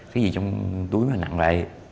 cái gì trong túi mà nặng vậy